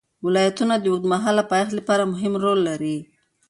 ولایتونه د اوږدمهاله پایښت لپاره مهم رول لري.